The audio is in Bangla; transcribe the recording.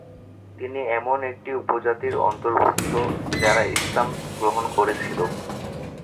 তিনি এমন একটি উপজাতির অন্তর্ভুক্ত যারা ইসলাম গ্রহণ করেছিল।